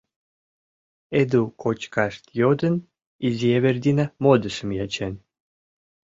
Эду кочкаш йодын, изи Эвердина модышым ячен.